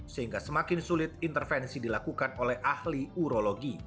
sehingga semakin sulit intervensi dilakukan oleh ahli urologi